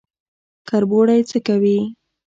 کربوړی څه کوي؟